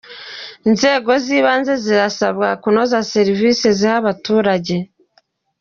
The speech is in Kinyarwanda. Inzego z’ibanze zirasabwa kunoza serivisi ziha abaturage